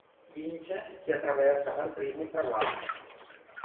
Vince chi attraversa per primo il traguardo.